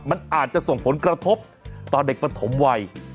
มันอาจจะส่งผลกระทบต่อเด็กปฐมวัย